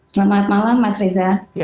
selamat malam mas reza